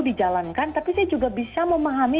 dijalankan tapi saya juga bisa memahami